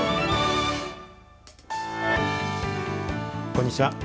こんにちは。